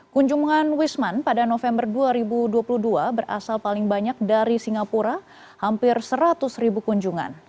kunjungan wisman pada november dua ribu dua puluh dua berasal paling banyak dari singapura hampir seratus ribu kunjungan